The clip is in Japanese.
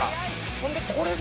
ほんでこれで。